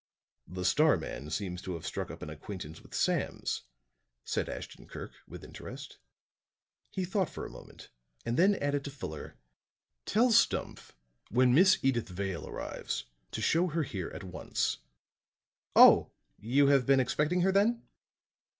"The Star man seems to have struck up an acquaintance with Sams," said Ashton Kirk, with interest. He thought for a moment, and then added to Fuller: "Tell Stumph when Miss Edyth Vale arrives to show her here at once." "Oh, you have been expecting her then?"